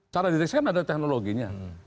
cara dirilis kan ada teknologinya